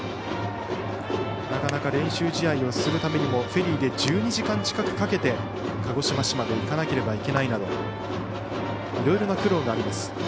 なかなか練習試合をするためにもフェリーで１２時間近くかけて鹿児島市内に行かなければいけないなどいろいろな苦労があります。